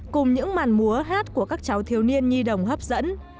cùng những màn múa hát của các cháu thiếu niên nhi đồng hấp dẫn